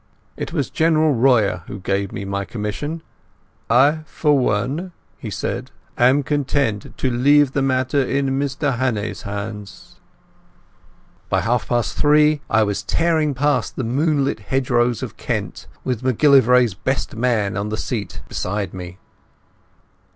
It was General Royer who gave me my commission. "I for one," he said, "am content to leave the matter in Mr Hannay's hands." By half past three I was tearing past the moonlit hedgerows of Kent, with MacGillivray's best man on the seat beside me.